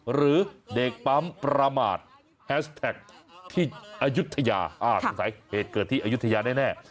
หรือเด็กปั๊มประมาทแฮชแท็กที่อายุทยาสงสัยเหตุเกิดที่อายุทยาแน่